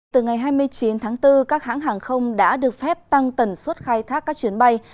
từ ngày hai mươi chín tháng bốn các hãng hàng không đã được phép tăng tần suất khai thác các chuyến bay